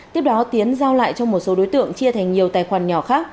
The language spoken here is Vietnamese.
tiếp đó tiến giao lại cho một số đối tượng chia thành nhiều tài khoản nhỏ khác